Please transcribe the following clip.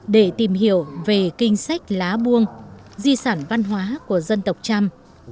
để tìm hiểu về kinh sách lá buông di sản văn hóa của dân tộc trăm